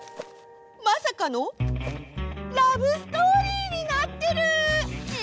まさかのラブストーリーになってる！え！